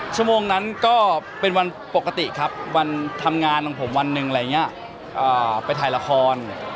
ชั่วโมงนั้นก็เป็นวันปกติครับวันทำงานของผมวันหนึ่งอะไรอย่างนี้ไปถ่ายละคร